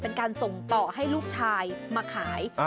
เป็นการส่งต่อให้ลูกชายมาขาย